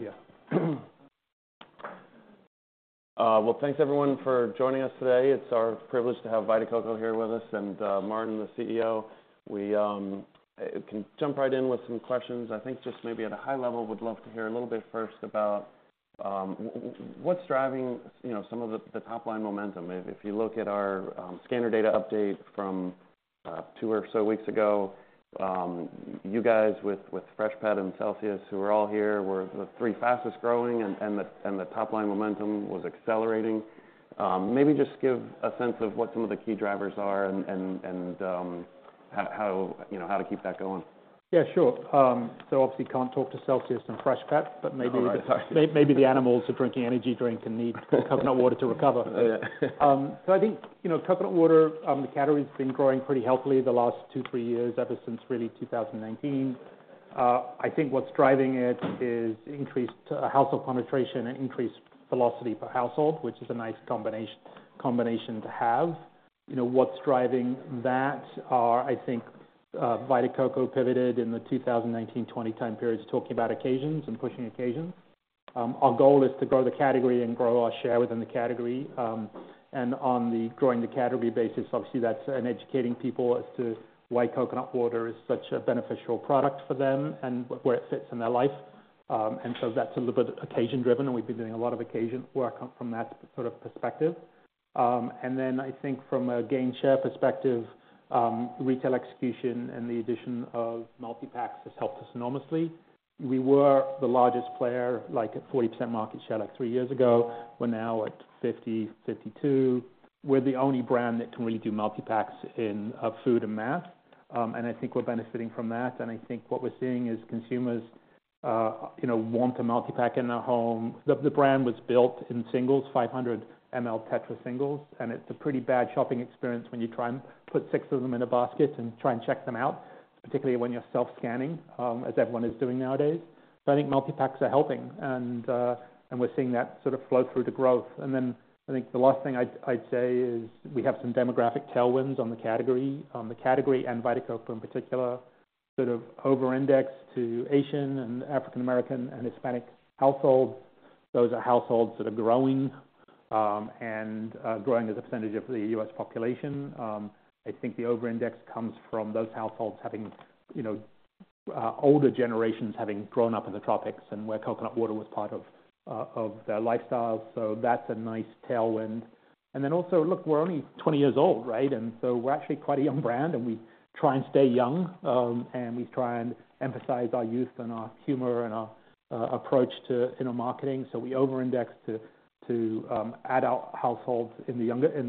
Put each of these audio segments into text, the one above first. Yeah. Well, thanks everyone for joining us today. It's our privilege to have Vita Coco here with us and Martin, the CEO. We can jump right in with some questions. I think just maybe at a high level, would love to hear a little bit first about what's driving, you know, some of the, the top line momentum. If you look at our scanner data update from two or so weeks ago, you guys with Freshpet and Celsius, who are all here, were the three fastest growing and the top line momentum was accelerating. Maybe just give a sense of what some of the key drivers are and how, you know, how to keep that going. Yeah, sure. So obviously, can't talk to Celsius and Freshpet, but maybe- Right. Maybe the animals are drinking energy drink and need coconut water to recover. Oh, yeah. So I think, you know, coconut water, the category's been growing pretty healthily the last 2-3 years, ever since, really, 2019. I think what's driving it is increased, household penetration and increased velocity per household, which is a nice combination to have. You know, what's driving that are, I think, Vita Coco pivoted in the 2019-20 time periods, talking about occasions and pushing occasions. Our goal is to grow the category and grow our share within the category. And on the growing the category basis, obviously, that's... And educating people as to why coconut water is such a beneficial product for them and where it fits in their life. And so that's a little bit occasion driven, and we've been doing a lot of occasion work from that sort of perspective. And then I think from a gain share perspective, retail execution and the addition of multi-packs has helped us enormously. We were the largest player, like, at 40% market share, like three years ago. We're now at 50%-52%. We're the only brand that can really do multi-packs in Food and Mass. And I think we're benefiting from that. And I think what we're seeing is consumers, you know, want a multi-pack in their home. The brand was built in singles, 500 ml Tetra singles, and it's a pretty bad shopping experience when you try and put 6 of them in a basket and try and check them out, particularly when you're self-scanning, as everyone is doing nowadays. So I think multi-packs are helping, and we're seeing that sort of flow through to growth. And then I think the last thing I'd say is, we have some demographic tailwinds on the category. The category, and Vita Coco, in particular, sort of over-indexed to Asian and African American and Hispanic households. Those are households that are growing, and growing as a percentage of the U.S. population. I think the over-index comes from those households having, you know, older generations having grown up in the tropics and where coconut water was part of their lifestyle. So that's a nice tailwind. And then also, look, we're only 20 years old, right? And so we're actually quite a young brand, and we try and stay young. And we try and emphasize our youth and our humor and our approach to, you know, marketing. So we over-index to add our households in the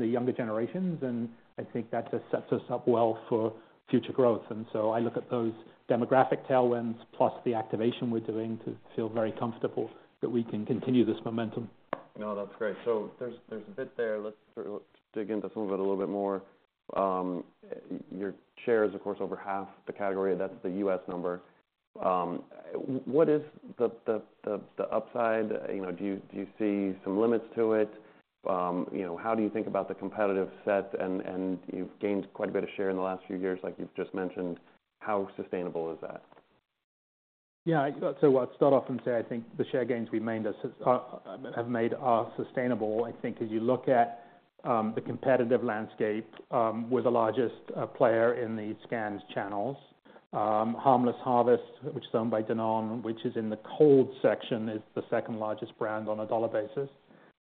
younger generations, and I think that just sets us up well for future growth. And so I look at those demographic tailwinds, plus the activation we're doing to feel very comfortable that we can continue this momentum. No, that's great. So there's a bit there. Let's sort of dig into some of it a little bit more. Your share is, of course, over half the category. That's the U.S. number. What is the upside? You know, do you see some limits to it? You know, how do you think about the competitive set, and you've gained quite a bit of share in the last few years, like you've just mentioned. How sustainable is that? Yeah, so I'll start off and say, I think the share gains we've made have made are sustainable. I think as you look at the competitive landscape, we're the largest player in the scanned channels. Harmless Harvest, which is owned by Danone, which is in the cold section, is the second largest brand on a dollar basis.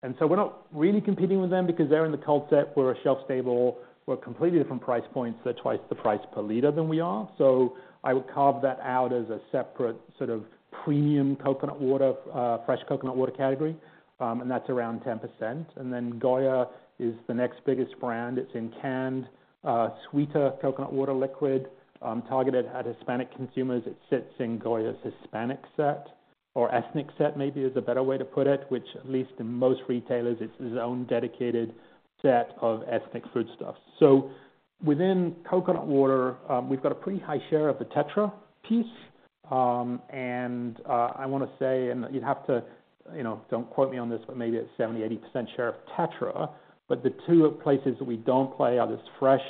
And so we're not really competing with them because they're in the cold set. We're a shelf stable. We're completely different price points. They're twice the price per liter than we are. So I would carve that out as a separate, sort of, premium coconut water, fresh coconut water category, and that's around 10%. And then Goya is the next biggest brand. It's in canned, sweeter coconut water liquid, targeted at Hispanic consumers. It sits in Goya's Hispanic set, or ethnic set, maybe is a better way to put it, which at least in most retailers, it's his own dedicated set of ethnic foodstuffs. So within coconut water, we've got a pretty high share of the Tetra piece. And I wanna say, and you'd have to, you know, don't quote me on this, but maybe it's 70%-80% share of Tetra. But the two places that we don't play are this fresh,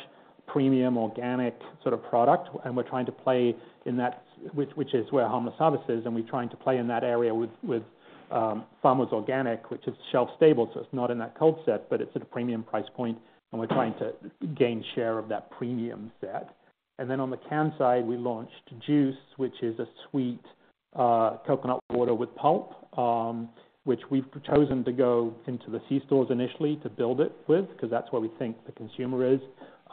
premium, organic sort of product, and we're trying to play in that, which is where Harmless Harvest is, and we're trying to play in that area with Farmers Organic, which is shelf stable, so it's not in that cold set, but it's at a premium price point, and we're trying to gain share of that premium set. And then on the canned side, we launched Juice, which is a sweet coconut water with pulp, which we've chosen to go into the C-stores initially to build it with, because that's where we think the consumer is.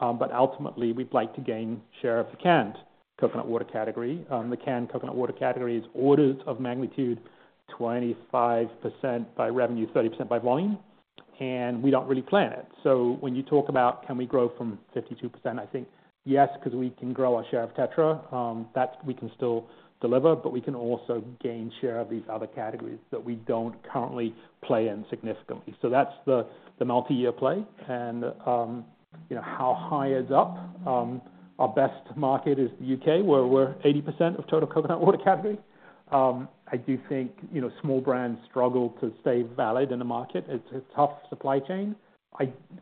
But ultimately, we'd like to gain share of the canned coconut water category. The canned coconut water category is orders of magnitude, 25% by revenue, 30% by volume, and we don't really plan it. So when you talk about can we grow from 52%, I think, yes, because we can grow our share of Tetra. That we can still deliver, but we can also gain share of these other categories that we don't currently play in significantly. So that's the multi-year play. And, you know, how high is up? Our best market is the U.K., where we're 80% of total coconut water category. I do think, you know, small brands struggle to stay valid in the market. It's a tough supply chain.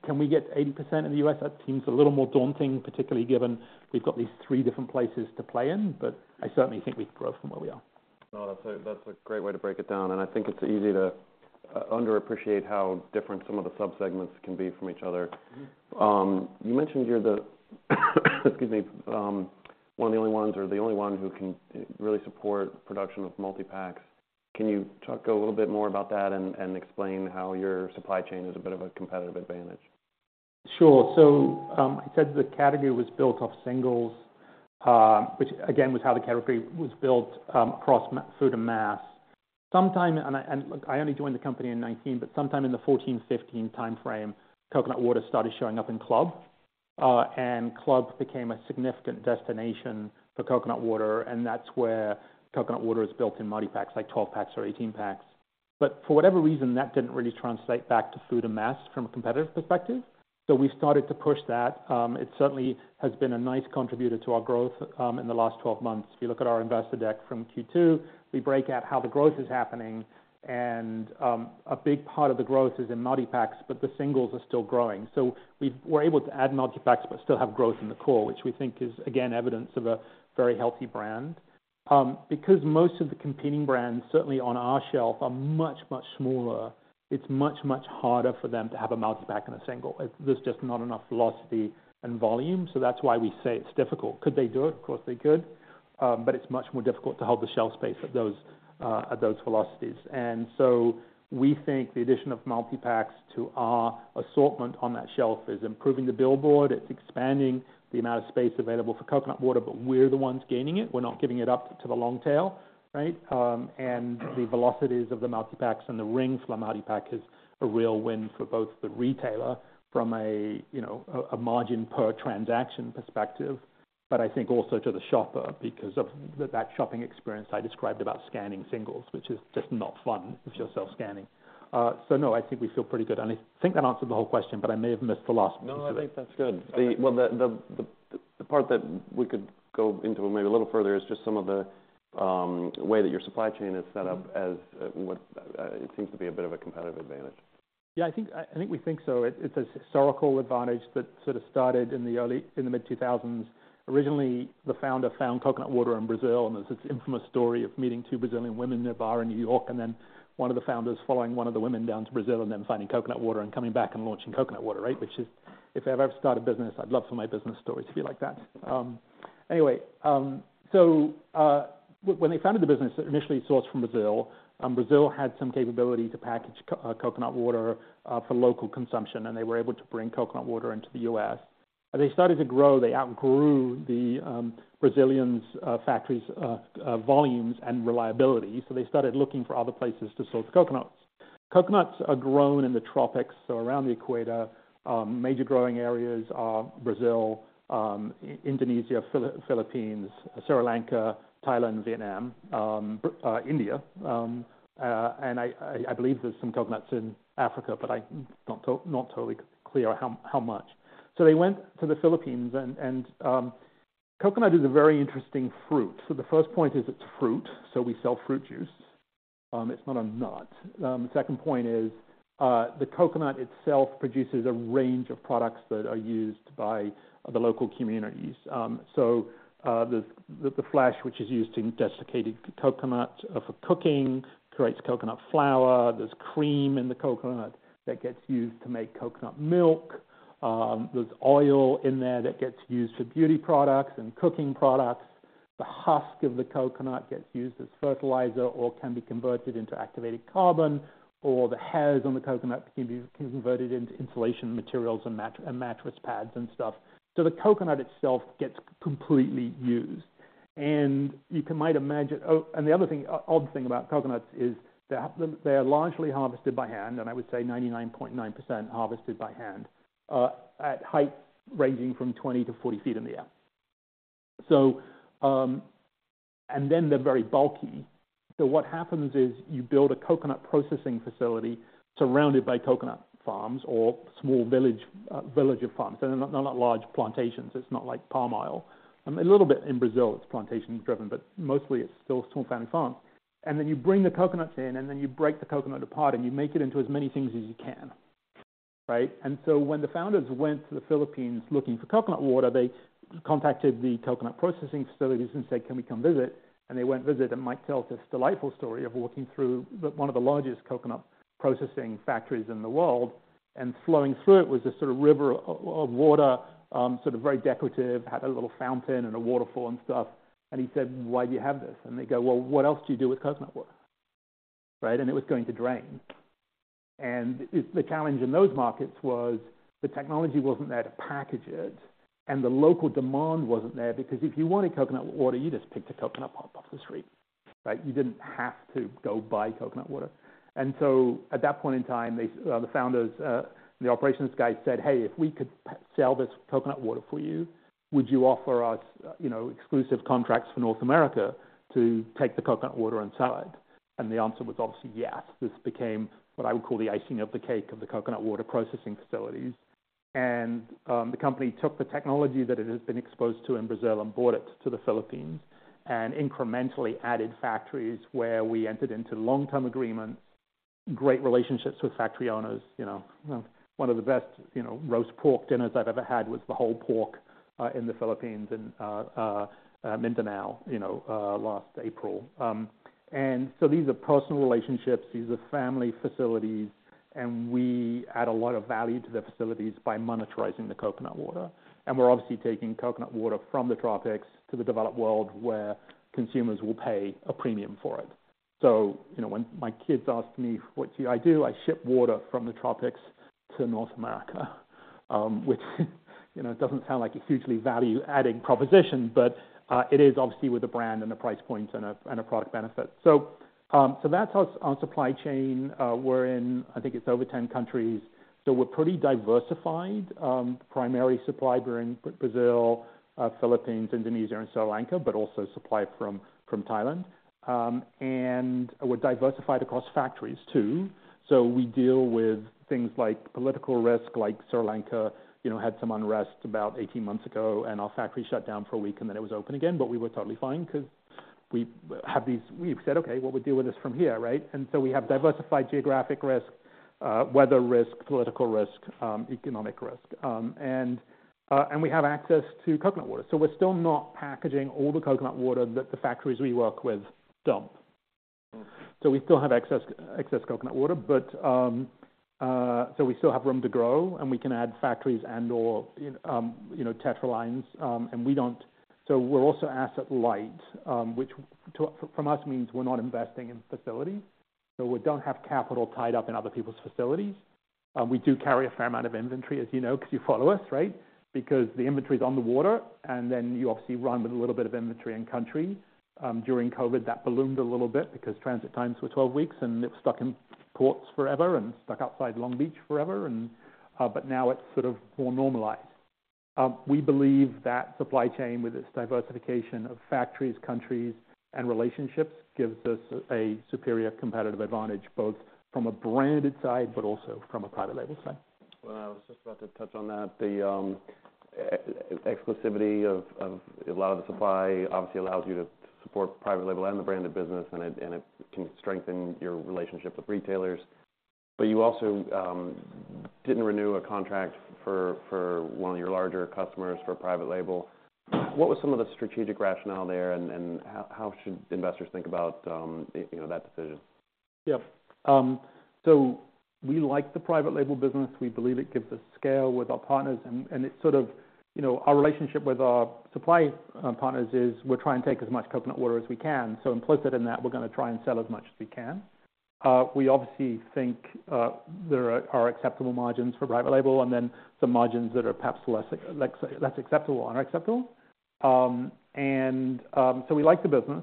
Can we get 80% in the U.S.? That seems a little more daunting, particularly given we've got these three different places to play in, but I certainly think we can grow from where we are. No, that's a great way to break it down, and I think it's easy to underappreciate how different some of the subsegments can be from each other. You mentioned you're the one of the only ones or the only one who can really support production of multipacks. Can you talk a little bit more about that and explain how your supply chain is a bit of a competitive advantage? Sure. So, I said the category was built off singles, which again, was how the category was built, across Food and Mass. Sometime, and look, I only joined the company in 2019, but sometime in the 2014, 2015 timeframe, coconut water started showing up in Club. And Club became a significant destination for coconut water, and that's where coconut water is built in multipacks, like 12 packs or 18 packs. But for whatever reason, that didn't really translate back to Food and Mass from a competitive perspective. So we started to push that. It certainly has been a nice contributor to our growth in the last 12 months. If you look at our investor deck from Q2, we break out how the growth is happening, and a big part of the growth is in multipacks, but the singles are still growing. So we're able to add multipacks but still have growth in the core, which we think is again evidence of a very healthy brand. Because most of the competing brands, certainly on our shelf, are much, much smaller, it's much, much harder for them to have a multipack and a single. There's just not enough velocity and volume, so that's why we say it's difficult. Could they do it? Of course, they could. But it's much more difficult to hold the shelf space at those velocities. And so we think the addition of multipacks to our assortment on that shelf is improving the billboard. It's expanding the amount of space available for coconut water, but we're the ones gaining it. We're not giving it up to the long tail, right? And the velocities of the multipacks and the ring for a multipack is a real win for both the retailer from a, you know, margin per transaction perspective. But I think also to the shopper, because of the that shopping experience I described about scanning singles, which is just not fun if you're self-scanning. So no, I think we feel pretty good, and I think that answered the whole question, but I may have missed the last piece of it. No, I think that's good. Okay. Well, the part that we could go into maybe a little further is just some of the way that your supply chain is set up. Mm-hmm. As what it seems to be a bit of a competitive advantage. Yeah, I think we think so. It's a historical advantage that sort of started in the mid-2000s. Originally, the founder found coconut water in Brazil, and there's this infamous story of meeting two Brazilian women in a bar in New York, and then one of the founders following one of the women down to Brazil and then finding coconut water and coming back and launching coconut water, right? Which is, if I ever start a business, I'd love for my business stories to be like that. Anyway, so when they founded the business, initially sourced from Brazil, Brazil had some capability to package coconut water for local consumption, and they were able to bring coconut water into the U.S. As they started to grow, they outgrew the Brazilians' factories volumes and reliability, so they started looking for other places to source coconuts. Coconuts are grown in the tropics, so around the equator. Major growing areas are Brazil, Indonesia, Philippines, Sri Lanka, Thailand, Vietnam, India, and I believe there's some coconuts in Africa, but I'm not totally clear how much. So they went to the Philippines, and coconut is a very interesting fruit. So the first point is it's fruit, so we sell fruit juice. It's not a nut. The second point is, the coconut itself produces a range of products that are used by the local communities. So, the flesh, which is used in desiccated coconut for cooking, creates coconut flour. There's cream in the coconut that gets used to make coconut milk. There's oil in there that gets used for beauty products and cooking products. The husk of the coconut gets used as fertilizer or can be converted into activated carbon, or the hairs on the coconut can be converted into insulation materials and mattress pads and stuff. So the coconut itself gets completely used. And you can might imagine. Oh, and the other thing, odd thing about coconuts is that they are largely harvested by hand, and I would say 99.9% harvested by hand, at heights ranging from 20-40 feet in the air. So, and then they're very bulky. So what happens is you build a coconut processing facility surrounded by coconut farms or small village of farms. They're not large plantations. It's not like palm oil. A little bit in Brazil, it's plantation driven, but mostly it's still small family farms. And then you bring the coconuts in, and then you break the coconut apart, and you make it into as many things as you can, right? And so when the founders went to the Philippines looking for coconut water, they contacted the coconut processing facilities and said, "Can we come visit?" And they went visit, and Mike tells this delightful story of walking through one of the largest coconut processing factories in the world, and flowing through it was this sort of river of water, sort of very decorative, had a little fountain and a waterfall and stuff. And he said, "Why do you have this?" And they go, "Well, what else do you do with coconut water?" Right? And it was going to drain. And it's the challenge in those markets was the technology wasn't there to package it, and the local demand wasn't there because if you wanted coconut water, you just picked a coconut up off the street, right? You didn't have to go buy coconut water. And so at that point in time, they, the founders, the operations guy said, "Hey, if we could sell this coconut water for you, would you offer us, you know, exclusive contracts for North America to take the coconut water and sell it?" And the answer was obviously yes. This became what I would call the icing of the cake of the coconut water processing facilities. The company took the technology that it has been exposed to in Brazil and brought it to the Philippines and incrementally added factories where we entered into long-term agreements... great relationships with factory owners, you know. One of the best, you know, roast pork dinners I've ever had was the whole pork in the Philippines in Mindanao, you know, last April. So these are personal relationships. These are family facilities, and we add a lot of value to their facilities by monetizing the coconut water. We're obviously taking coconut water from the tropics to the developed world, where consumers will pay a premium for it. So, you know, when my kids ask me what do I do? I ship water from the tropics to North America, which, you know, doesn't sound like a hugely value-adding proposition, but it is obviously with a brand and a price point and a product benefit. So that's us on supply chain. We're in, I think it's over 10 countries, so we're pretty diversified. Primary supplier in Brazil, Philippines, Indonesia, and Sri Lanka, but also supply from Thailand. And we're diversified across factories, too. So we deal with things like political risk, like Sri Lanka, you know, had some unrest about 18 months ago, and our factory shut down for a week, and then it was open again. But we were totally fine because we have these, we've said, "Okay, we'll deal with this from here," right? And so we have diversified geographic risk, weather risk, political risk, economic risk. And we have access to coconut water. So we're still not packaging all the coconut water that the factories we work with dump. So we still have excess, excess coconut water, but. So we still have room to grow, and we can add factories and or, you know, Tetra lines, and we don't. So we're also asset light, which from us means we're not investing in facilities, so we don't have capital tied up in other people's facilities. We do carry a fair amount of inventory, as you know, because you follow us, right? Because the inventory is on the water, and then you obviously run with a little bit of inventory in country. During COVID, that ballooned a little bit because transit times were 12 weeks, and it was stuck in ports forever and stuck outside Long Beach forever and, but now it's sort of more normalized. We believe that supply chain, with its diversification of factories, countries, and relationships, gives us a superior competitive advantage, both from a branded side, but also from a private label side. Well, I was just about to touch on that. The exclusivity of a lot of the supply obviously allows you to support private label and the brand of business, and it can strengthen your relationship with retailers. But you also didn't renew a contract for one of your larger customers for private label. What was some of the strategic rationale there, and how should investors think about, you know, that decision? Yeah. So we like the private label business. We believe it gives us scale with our partners, and it sort of... You know, our relationship with our supply partners is, we're trying to take as much coconut water as we can. So implicit in that, we're going to try and sell as much as we can. We obviously think there are acceptable margins for private label and then some margins that are perhaps less, like, less acceptable or unacceptable. So we like the business.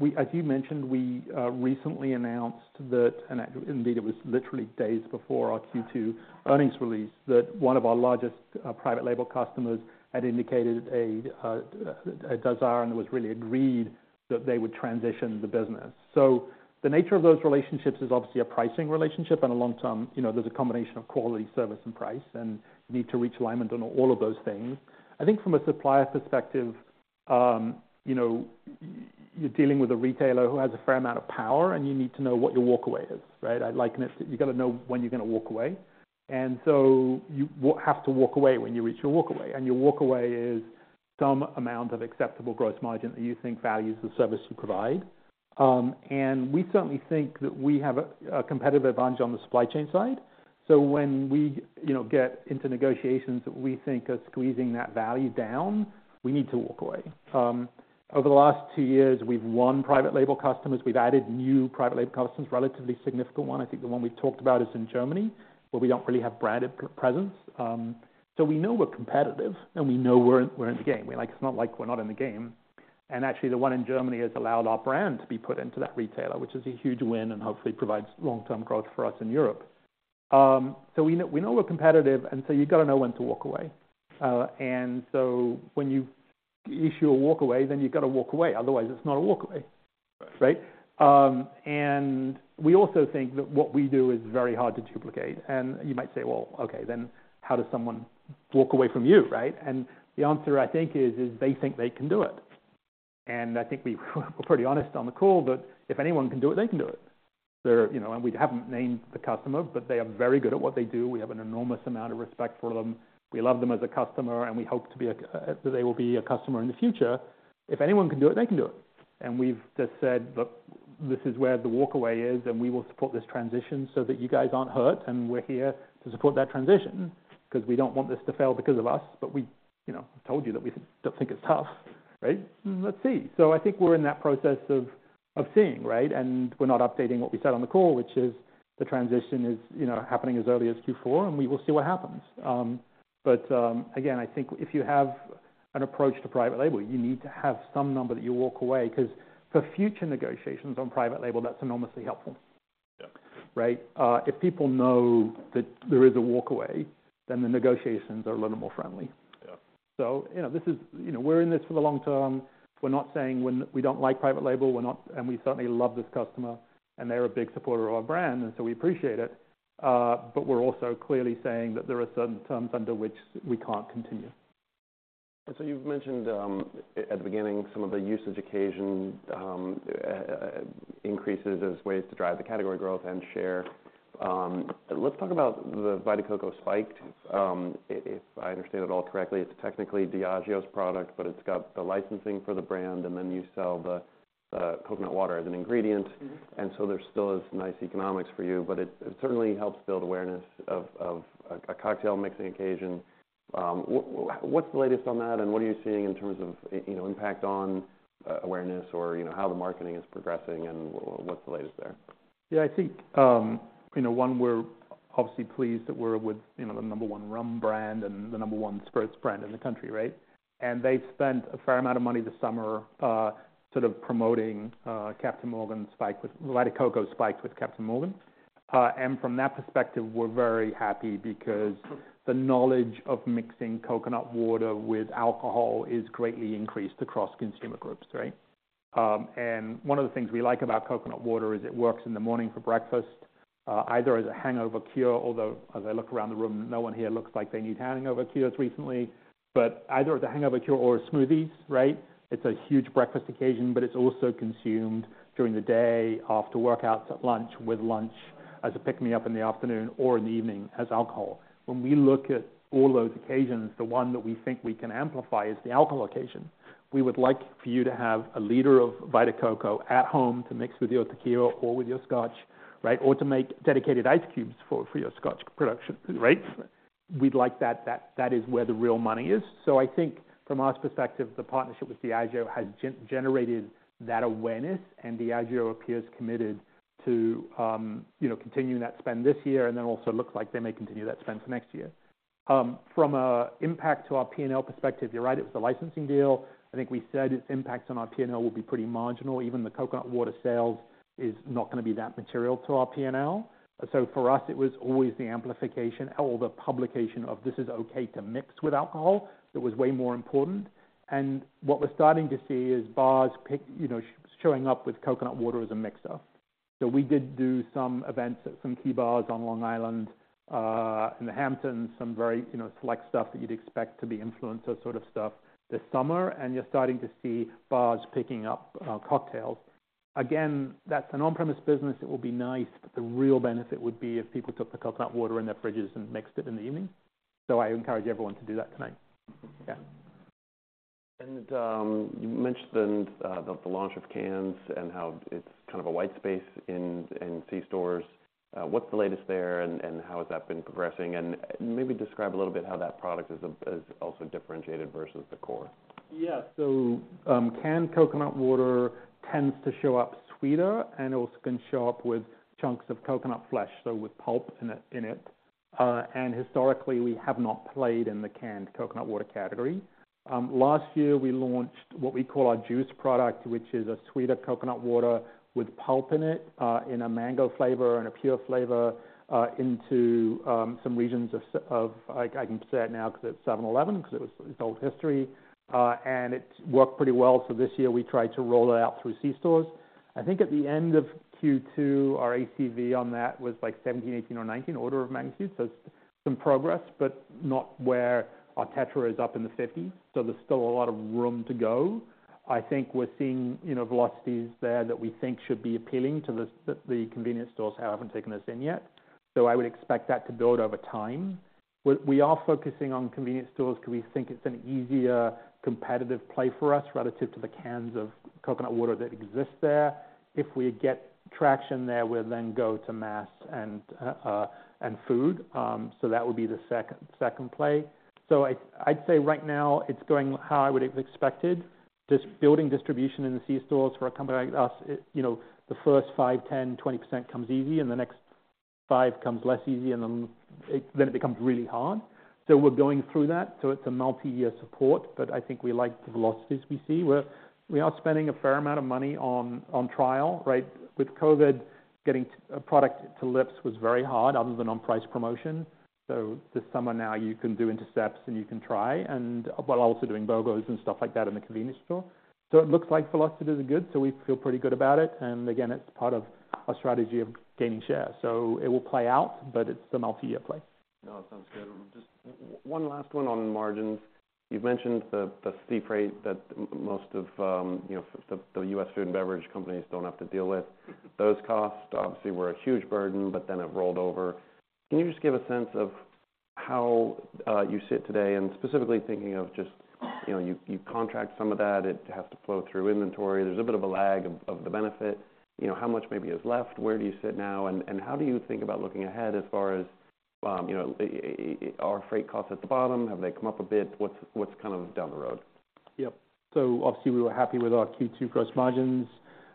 We—as you mentioned, we recently announced that, and indeed, it was literally days before our Q2 earnings release, that one of our largest private label customers had indicated a desire, and it was really agreed, that they would transition the business. So the nature of those relationships is obviously a pricing relationship and a long-term... You know, there's a combination of quality, service, and price, and you need to reach alignment on all of those things. I think from a supplier perspective, you know, you're dealing with a retailer who has a fair amount of power, and you need to know what your walk away is, right? I liken it, you got to know when you're going to walk away. And so you will have to walk away when you reach your walk away, and your walk away is some amount of acceptable gross margin that you think values the service you provide. And we certainly think that we have a competitive advantage on the supply chain side. So when we, you know, get into negotiations that we think are squeezing that value down, we need to walk away. Over the last two years, we've won private label customers. We've added new private label customers, relatively significant one. I think the one we've talked about is in Germany, where we don't really have branded presence. So we know we're competitive, and we know we're in the game. Like, it's not like we're not in the game, and actually, the one in Germany has allowed our brand to be put into that retailer, which is a huge win and hopefully provides long-term growth for us in Europe. So we know we're competitive, and so you got to know when to walk away. And so when you issue a walk away, then you've got to walk away. Otherwise, it's not a walk away. Right. Right? And we also think that what we do is very hard to duplicate. And you might say, "Well, okay, then how does someone walk away from you?" Right? And the answer, I think, is they think they can do it. And I think we were pretty honest on the call, that if anyone can do it, they can do it. They're, you know, and we haven't named the customer, but they are very good at what they do. We have an enormous amount of respect for them. We love them as a customer, and we hope to be a, that they will be a customer in the future. If anyone can do it, they can do it. We've just said, "Look, this is where the walk away is, and we will support this transition so that you guys aren't hurt, and we're here to support that transition. Because we don't want this to fail because of us, but we, you know, told you that we don't think it's tough," right? Let's see. I think we're in that process of seeing, right? And we're not updating what we said on the call, which is the transition is, you know, happening as early as Q4, and we will see what happens. But again, I think if you have an approach to private label, you need to have some number that you walk away, because for future negotiations on private label, that's enormously helpful. Yeah. Right? If people know that there is a walk away, then the negotiations are a little more friendly. Yeah. So, you know, this is, you know, we're in this for the long term. We're not saying we, we don't like private label, we're not... And we certainly love this customer, and they're a big supporter of our brand, and so we appreciate it. But we're also clearly saying that there are certain terms under which we can't continue. So you've mentioned, at the beginning, some of the usage occasion, increases as ways to drive the category growth and share. Let's talk about the Vita Coco Spike. If I understand it all correctly, it's technically Diageo's product, but it's got the licensing for the brand, and then you sell the coconut water as an ingredient. Mm-hmm. There still is nice economics for you, but it certainly helps build awareness of a cocktail mixing occasion. What's the latest on that, and what are you seeing in terms of, you know, impact on awareness or, you know, how the marketing is progressing, and what's the latest there? Yeah, I think, you know, one, we're obviously pleased that we're with, you know, the number one rum brand and the number one spirits brand in the country, right? And they've spent a fair amount of money this summer, sort of promoting Captain Morgan Spiked with Vita Coco Spiked with Captain Morgan. And from that perspective, we're very happy because the knowledge of mixing coconut water with alcohol is greatly increased across consumer groups, right? And one of the things we like about coconut water is it works in the morning for breakfast, either as a hangover cure, although as I look around the room, no one here looks like they need hangover cures recently, but either as a hangover cure or a smoothie, right? It's a huge breakfast occasion, but it's also consumed during the day, after workouts, at lunch, with lunch, as a pick-me-up in the afternoon or in the evening as alcohol. When we look at all those occasions, the one that we think we can amplify is the alcohol occasion. We would like for you to have a liter of Vita Coco at home to mix with your tequila or with your scotch, right? Or to make dedicated ice cubes for your scotch production, right? We'd like that. That is where the real money is. So I think from our perspective, the partnership with Diageo has generated that awareness, and Diageo appears committed to, you know, continuing that spend this year, and then also looks like they may continue that spend for next year. From an impact to our P&L perspective, you're right, it was a licensing deal. I think we said its impacts on our P&L will be pretty marginal. Even the coconut water sales is not gonna be that material to our P&L. So for us, it was always the amplification or the publication of, "This is okay to mix with alcohol," that was way more important. And what we're starting to see is bars picking, you know, showing up with coconut water as a mixer. So we did do some events at some key bars on Long Island, in the Hamptons, some very, you know, select stuff that you'd expect to be influencer sort of stuff this summer, and you're starting to see bars picking up, cocktails. Again, that's an on-premise business. It will be nice, but the real benefit would be if people took the coconut water in their fridges and mixed it in the evening. So I encourage everyone to do that tonight. Yeah. You mentioned the launch of cans and how it's kind of a white space in C-stores. What's the latest there, and how has that been progressing? And maybe describe a little bit how that product is also differentiated versus the core. Yeah. So, canned coconut water tends to show up sweeter and also can show up with chunks of coconut flesh, so with pulp in it, in it. And historically, we have not played in the canned coconut water category. Last year, we launched what we call our juice product, which is a sweeter coconut water with pulp in it, in a mango flavour and a pure flavour, into some regions7-Eleven. i can say it now because7-Eleven, because it was, it's old history, and it's worked pretty well. So this year we tried to roll it out through C-stores. I think at the end of Q2, our ACV on that was like 17, 18 or 19, order of magnitude. So some progress, but not where our Tetra is up in the fifties, so there's still a lot of room to go. I think we're seeing, you know, velocities there that we think should be appealing to the convenience stores, however, haven't taken this in yet. So I would expect that to build over time. We are focusing on convenience stores because we think it's an easier competitive play for us relative to the cans of coconut water that exist there. If we get traction there, we'll then go to mass and and food. So that would be the second, second play. So I, I'd say right now it's going how I would have expected. Just building distribution in the C-stores for a company like us, you know, the first 5%, 10%, 20% comes easy, and the next 5 comes less easy, and then it becomes really hard. So we're going through that. So it's a multi-year support, but I think we like the velocities we see, where we are spending a fair amount of money on trial, right? With COVID, getting a product to lips was very hard other than on-price promotion. So this summer now you can do intercepts and you can try, and while also doing BOGOs and stuff like that in the convenience store. So it looks like velocities are good, so we feel pretty good about it, and again, it's part of our strategy of gaining share, so it will play out, but it's a multi-year play. No, it sounds good. Just one last one on margins. You've mentioned the steep rate that most of, you know, the US food and beverage companies don't have to deal with. Those costs obviously were a huge burden, but then it rolled over. Can you just give a sense of how you sit today and specifically thinking of just, you know, you contract some of that, it has to flow through inventory. There's a bit of a lag of the benefit. You know, how much maybe is left, where do you sit now, and how do you think about looking ahead as far as, you know, are freight costs at the bottom? Have they come up a bit? What's kind of down the road? Yep. So obviously, we were happy with our Q2 gross margins.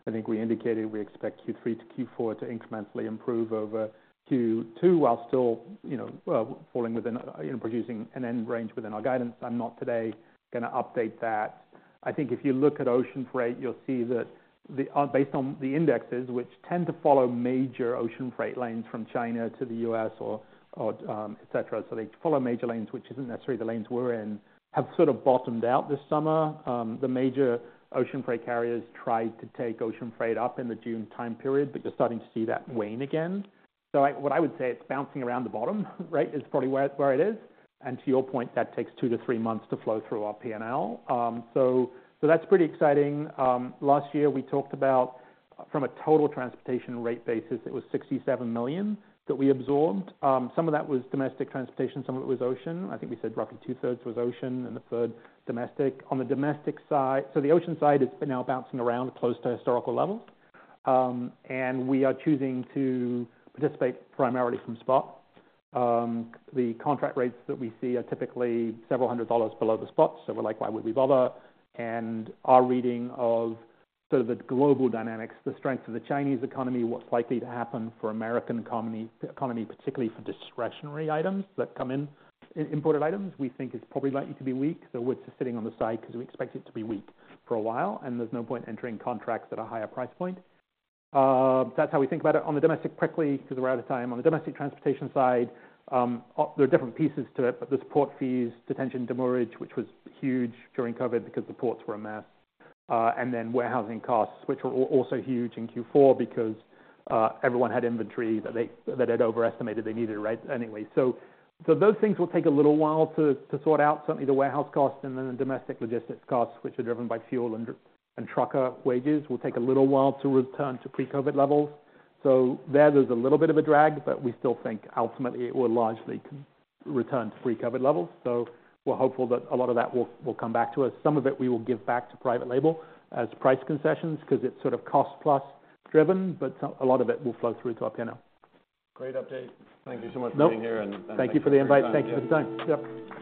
I think we indicated we expect Q3 to Q4 to incrementally improve over Q2 while still, you know, falling within, you know, producing an end range within our guidance. I'm not today gonna update that. I think if you look at ocean freight, you'll see that the based on the indexes, which tend to follow major ocean freight lanes from China to the U.S. or, or et cetera, so they follow major lanes, which isn't necessarily the lanes we're in, have sort of bottomed out this summer. The major ocean freight carriers tried to take ocean freight up in the June time period, but you're starting to see that wane again. So what I would say, it's bouncing around the bottom, right? It's probably where it is. To your point, that takes 2-3 months to flow through our P&L. So that's pretty exciting. Last year we talked about from a total transportation rate basis, it was $67 million that we absorbed. Some of that was domestic transportation, some of it was ocean. I think we said roughly 2/3 was ocean and 1/3 domestic. On the domestic side, so the ocean side is now bouncing around close to historical levels. And we are choosing to participate primarily from spot. The contract rates that we see are typically several hundred dollars below the spot, so we're like, why would we bother? Our reading of sort of the global dynamics, the strength of the Chinese economy, what's likely to happen for American economy, economy, particularly for discretionary items that come in, imported items, we think is probably likely to be weak. So we're just sitting on the side because we expect it to be weak for a while, and there's no point entering contracts at a higher price point. That's how we think about it. On the domestic, quickly, because we're out of time, on the domestic transportation side, there are different pieces to it, but there's port fees, detention demurrage, which was huge during COVID because the ports were a mess, and then warehousing costs, which were also huge in Q4 because everyone had inventory that they, that they'd overestimated they needed, right? Anyway, so those things will take a little while to sort out. Certainly, the warehouse costs and then the domestic logistics costs, which are driven by fuel and trucker wages, will take a little while to return to pre-COVID levels. So there's a little bit of a drag, but we still think ultimately it will largely return to pre-COVID levels. So we're hopeful that a lot of that will come back to us. Some of it we will give back to private label as price concessions because it's sort of cost-plus driven, but some, a lot of it will flow through to our P&L. Great update. Thank you so much for being here- Nope. And, and- Thank you for the invite. Thank you for the time. Yep.